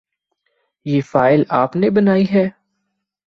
یہ فائل آپ نے بنائی ہے ؟